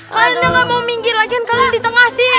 kalian yang gak mau minggir lagi kan kalian di tengah sih